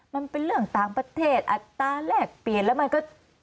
มันเป็นเรื่องต่างประเทศอัตราแลกเปลี่ยนแล้วมันก็